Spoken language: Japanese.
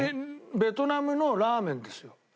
ベトナムのラーメンですよ。